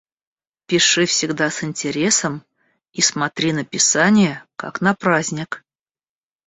Пиши всегда с интересом и смотри на писание как на праздник.